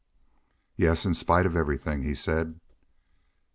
"Yes, in spite of everything," he said.